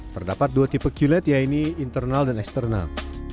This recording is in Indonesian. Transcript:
terdapat dua tipe qled yaitu internal dan eksternal